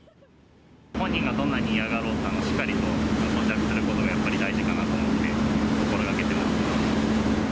本人がどんなに嫌がろうと、しっかりと装着することがやっぱり大事かなと思って、心がけていますね。